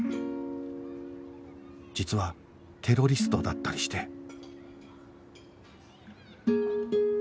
実はテロリストだったりして